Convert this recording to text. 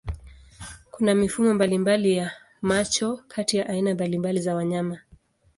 Kuna mifumo mbalimbali ya macho kati ya aina mbalimbali za wanyama.